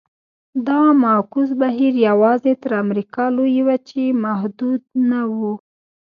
دا معکوس بهیر یوازې تر امریکا لویې وچې محدود نه و.